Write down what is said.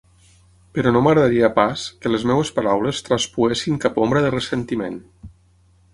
Però no m'agradaria pas que les meves paraules traspuessin cap ombra de ressentiment.